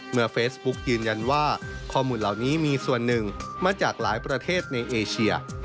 เฟซบุ๊กยืนยันว่าข้อมูลเหล่านี้มีส่วนหนึ่งมาจากหลายประเทศในเอเชีย